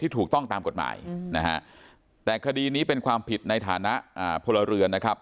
ถูกต้องตามกฎหมายนะฮะแต่คดีนี้เป็นความผิดในฐานะพลเรือนนะครับ